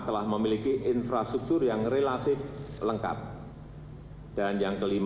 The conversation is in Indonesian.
telah memiliki infrastruktur yang relatif lengkap dengan kota yang baru ini